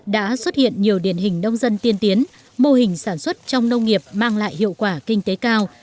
đã xuất hiện nhiều điển hình nông dân tiên tiến mô hình sản xuất trong nông nghiệp mang lại hiệu quả kinh tế cao